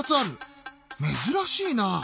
めずらしいな。